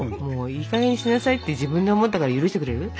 いいかげんにしなさいって自分で思ったから許してくれる？